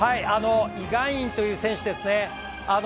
イ・ガンインという選手ですね。